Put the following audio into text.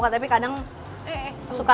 tapi kadang suka